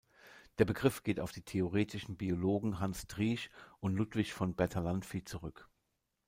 Der Begriff geht auf die theoretischen Biologen Hans Driesch und Ludwig von Bertalanffy zurück.